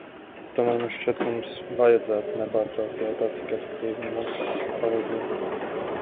Tomēr man šķiet, ka mums vajadzētu nepārtraukti jautāt, cik efektīva ir mūsu palīdzība.